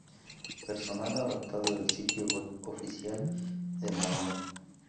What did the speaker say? Personal adaptado del sitio web oficial de Madonna.